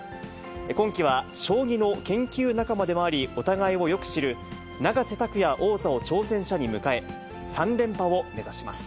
今期は将棋の研究仲間でもあり、お互いをよく知る、永瀬拓矢王座を挑戦者に迎え、３連覇を目指します。